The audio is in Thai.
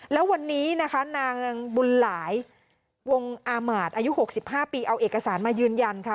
แล้ววันนี้นะคะนางบุญหลายวงอามาตย์อายุ๖๕ปีเอาเอกสารมายืนยันค่ะ